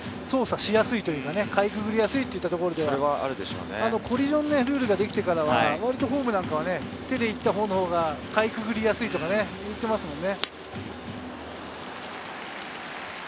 操作しやすいというか、かいくぐりやすいというところでは、コリジョンルールができてからは割とホームなんかは手で行ったほうがかいくぐりやすいとかね、行ってますもんね。